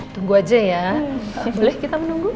tunggu aja ya boleh kita menunggu